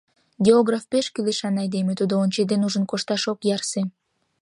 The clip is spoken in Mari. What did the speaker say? Географ пеш кӱлешан айдеме, тудо ончеден-ужын кошташ ок ярсе.